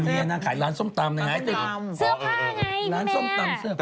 อ๋อเมียน่าขายร้านส้มตำน่ะไงเสื้อผ้าไงคุณแม่